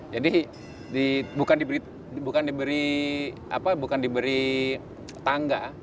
jadi bukan diberi tangga